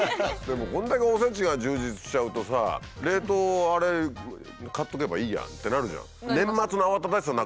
でもこれだけおせちが充実しちゃうとさ冷凍買っとけばいいやってなるじゃん。